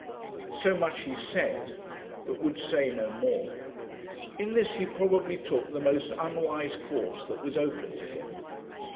So much he said, but would say no more. In this he probably took the most unwise course that was open to him.